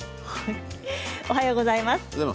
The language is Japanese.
おはようございます。